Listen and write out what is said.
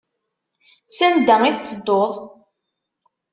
S anda i tettedduḍ?